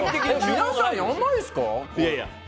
皆さん、やらないですか？